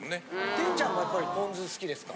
天ちゃんもやっぱりポン酢好きですか？